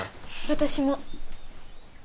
私も。